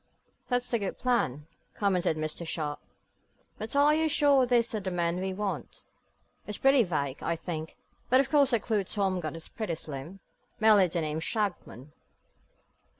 "That's a good plan," commented Mr. Sharp, "but are you sure these are the men we want? It's pretty vague, I think, but of course the clue Tom got is pretty slim; merely the name Shagmon."